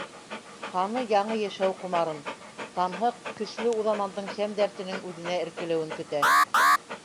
Ҡаны яңы йәшәү ҡомарын, танһыҡ, көслө Уҙамандың сәм-дәртенең үҙенә эркелеүен көтә.